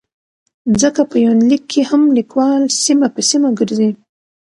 ځکه په يونليک کې هم ليکوال سيمه په سيمه ګرځي